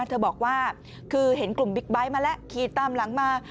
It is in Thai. เธอบอกว่าคือเห็นกลุ่มบิ๊กไบท์มาแล้วขี่ตามหลังมา